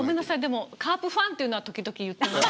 でもカープファンというのは時々言ってます。